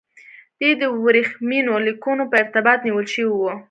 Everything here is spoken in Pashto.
دی د ورېښمینو لیکونو په ارتباط نیول شوی و.